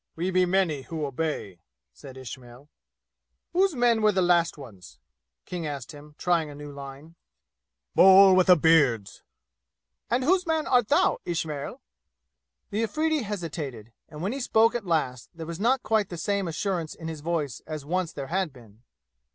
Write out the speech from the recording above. We be many who obey," said Ismail. "Whose men were the last ones?" King asked him, trying a new line. "Bull with a beard's." "And whose man art thou, Ismail?" The Afridi hesitated, and when he spoke at last there was not quite the same assurance in his voice as once there had been.